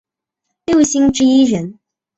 六星之一人。